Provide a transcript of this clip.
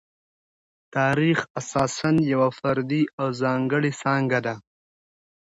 تاریخ اساساً یوه فردي او ځانګړې څانګه ده.